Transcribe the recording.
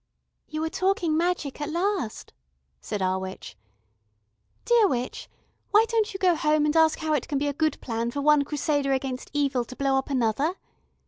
"You are talking magic at last," said our witch. "Dear witch, why don't you go home and ask how it can be a good plan for one Crusader against Evil to blow up another?